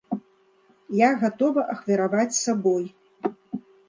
Я гатова ахвяраваць сабой.